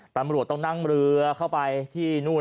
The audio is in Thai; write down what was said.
ตำรวจต้องนั่งเรือเข้าไปที่นู่น